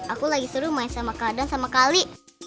aku lagi seru main sama kadan sama kali